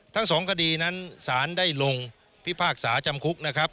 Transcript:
ทั้งสองคดีนั้นสารได้ลงพิพากษาจำคุกนะครับ